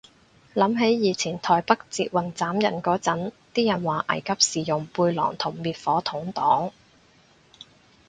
諗起以前台北捷運斬人嗰陣，啲人話危急時用背囊同滅火筒擋